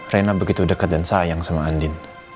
reina begitu deket dan sayang sama andin